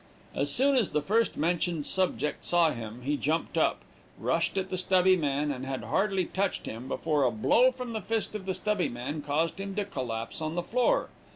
As soon as the first mentioned subject saw him, he jumped up, rushed at the stubby man, and had hardly touched him, before a blow from the fist of the stubby man caused him to collapse on the floor.